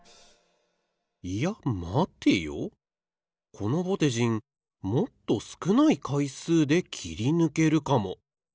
このぼてじんもっとすくないかいすうで切りぬけるかも。